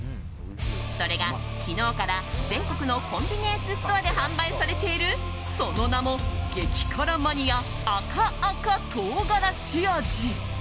それが、昨日から全国のコンビニエンスストアで販売されているその名も激辛マニア赤赤とうがらし味。